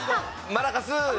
マラカス。